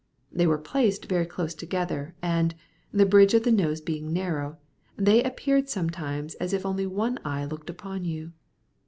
They were placed very close together, and, the bridge of the nose being narrow, they appeared sometimes as if only one eye looked upon you.